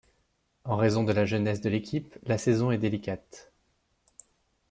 En raison de la jeunesse de l'équipe, la saison est délicate.